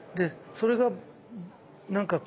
それが何かこう。